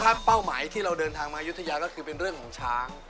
วันนี้ป้อมไหมที่เราเดินทางมาอยุธยาก็เป็นเรื่องของช้าง